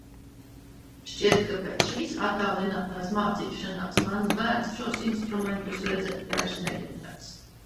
Šķiet, ka pēc šīs attālinātās mācīšanās mans bērns šos instrumentus redzēt vairs negribēs...